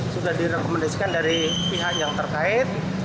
sudah direkomendasikan dari pihak yang terkait